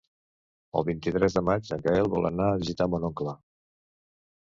El vint-i-tres de maig en Gaël vol anar a visitar mon oncle.